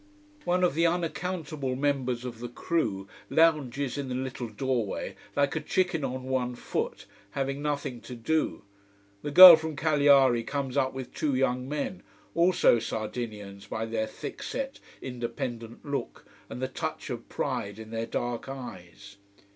One of the unaccountable members of the crew lounges in the little doorway, like a chicken on one foot, having nothing to do. The girl from Cagliari comes up with two young men also Sardinians by their thick set, independent look, and the touch of pride in their dark eyes.